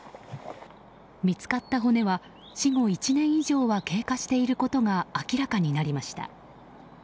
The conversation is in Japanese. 見つかった骨は死後１年以上は経過していることが明らかになりました。